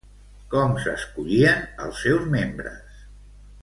Com s'escollien els seus membres?